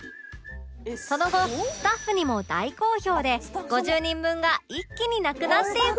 その後スタッフにも大好評で５０人分が一気になくなっていく！